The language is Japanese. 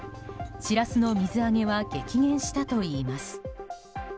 シラスの水揚げは激減したといいます。